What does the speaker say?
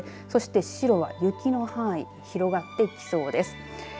そして白は雪の範囲広がってきそうです。